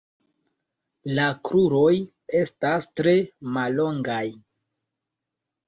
La kruroj estas tre mallongaj.